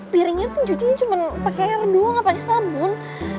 piringnya tuh cuci cuman pake airnya doang ga pake sabun